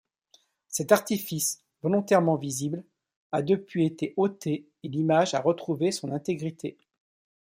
Cet artifice, volontairement visible, a depuis été ôté et l'image a retrouvé son intégrité.